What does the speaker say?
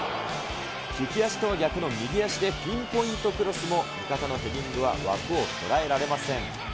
利き足とは逆の右足でピンポイントクロスも味方のヘディングは枠を捉えられません。